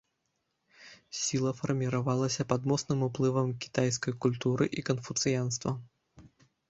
Сіла фарміравалася пад моцным уплывам кітайскай культуры і канфуцыянства.